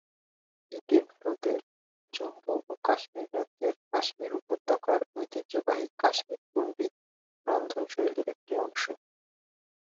এটি ভারতের জম্মু ও কাশ্মীর রাজ্যের কাশ্মীর উপত্যকার ঐতিহ্যবাহী কাশ্মীরি পণ্ডিত রন্ধনশৈলীর একটি অংশ।